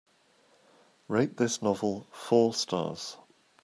rate this novel four stars